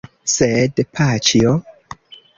Sed paĉjo?